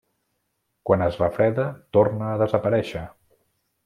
Quan es refreda, torna a desaparèixer.